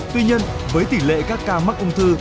tuy nhiên với tỷ lệ các ca mắc ung thư